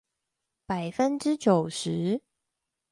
百分之九十